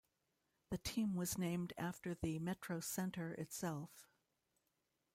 The team was named after the MetroCentre itself.